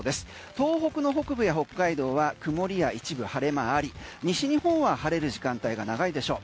東北の北部や北海道は曇りや一部晴れ間あり西日本は晴れる時間帯が長いでしょう。